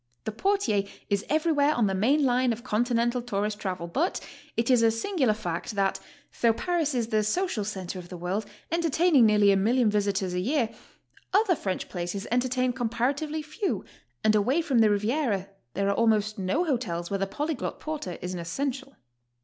The portier is every where on the main line of Continental tourist travel, but it is a singular fact that, though Paris is the social centre of the world, entertaining nearly a million visitors a year, other French places entertain comparatively few, and away from the Riviera there are almost no hotels where the polyglot porter is an essential.